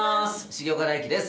重岡大毅です。